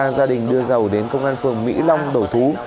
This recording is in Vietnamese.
gia đình đưa giàu đến công an phường mỹ long đầu thú